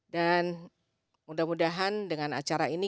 dan mudah mudahan dengan acara ini